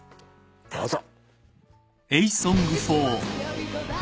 どうぞ。